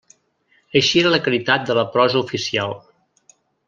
Així era la caritat de la prosa oficial.